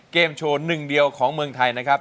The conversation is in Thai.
เกมโชว์หนึ่งเดียวของเมืองไทยนะครับ